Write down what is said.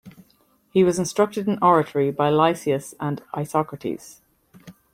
He was instructed in oratory by Lysias and Isocrates.